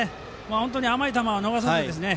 本当に甘い球は逃さないですね。